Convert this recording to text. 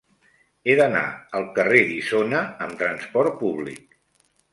He d'anar al carrer d'Isona amb trasport públic.